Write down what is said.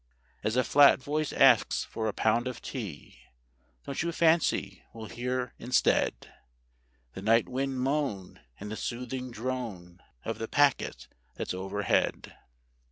As a flat voice asks for a pound of tea, don't you fancy we'll hear instead The night wind moan and the soothing drone of the packet that's overhead?